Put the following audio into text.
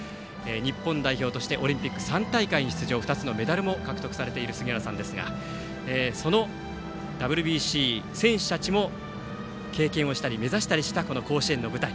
日本代表としてオリンピック３大会に出場２つのメダルも獲得されている杉浦さんですがそのＷＢＣの選手たちも経験をしたり目指したりしたこの甲子園の舞台。